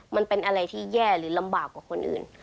มันเป็นอะไรที่แย่หรือลำบากกว่าคนอื่น